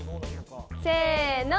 せの！